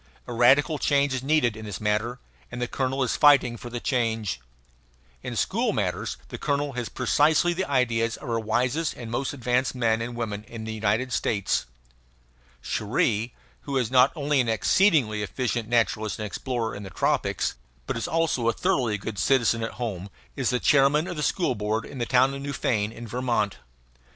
A radical change is needed in this matter; and the colonel is fighting for the change. In school matters the colonel has precisely the ideas of our wisest and most advanced men and women in the United States. Cherrie who is not only an exceedingly efficient naturalist and explorer in the tropics, but is also a thoroughly good citizen at home is the chairman of the school board of the town of Newfane, in Vermont.